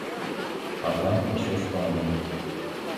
А там усё спалена.